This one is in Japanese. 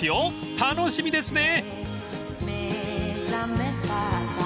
［楽しみですね！］